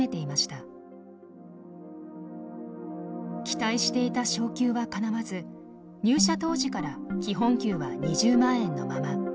期待していた昇給はかなわず入社当時から基本給は２０万円のまま。